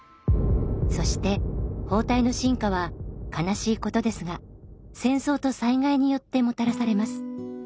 そして包帯の進化は悲しいことですが戦争と災害によってもたらされます。